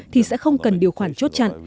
thì sẽ không cần điều khoản chốt chặn